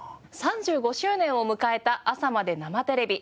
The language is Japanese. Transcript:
３５周年を迎えた『朝まで生テレビ！』。